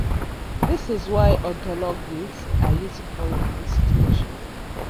This is why ontologies are useful in this situation.